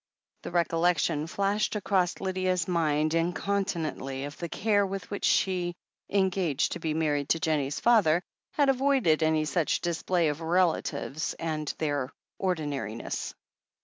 The recollection flashed across Lydia's mind incon tinently of the care with which she, engaged to be mar ried to Jennie's father, had avoided any such display of relatives and their "ordinariness."